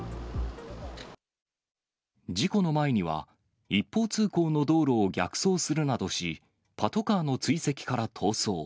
事故の前には、一方通行の道路を逆走するなどし、パトカーの追跡から逃走。